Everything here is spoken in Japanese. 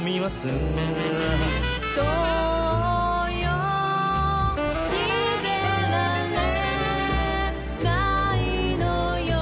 「そうよ逃げられないのよ」